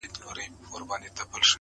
نوم يې کله کله د خلکو په خوله راځي,